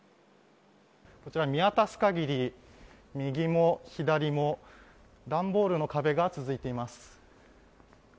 こちら見渡す限り、右も左も段ボールの壁が続いています。